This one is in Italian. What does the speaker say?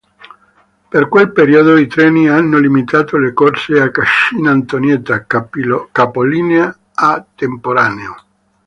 Per quel periodo i treni hanno limitato le corse a Cascina Antonietta, capolinea temporaneo.